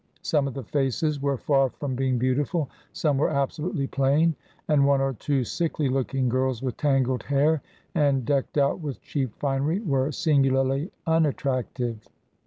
Some of the faces were far from being beautiful some were absolutely plain; and one or two sickly looking girls with tangled hair, and decked out with cheap finery, were singularly unattractive.